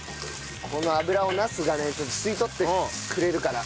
この油をナスがね吸い取ってくれるから。